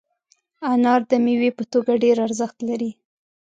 انار د میوې په توګه ډېر ارزښت لري.